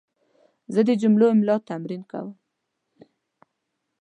زه د جملو املا تمرین کوم.